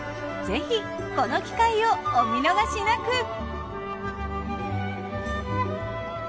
ぜひこの機会をお見逃しなく。